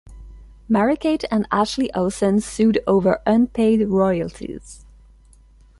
Mary-Kate and Ashley Olsen sued over unpaid royalties.